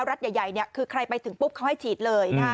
รัฐใหญ่คือใครไปถึงปุ๊บเขาให้ฉีดเลย